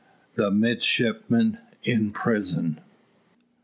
THE MIDSHIPMEN IN PRISON.